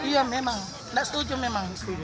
ya memang gak setuju memang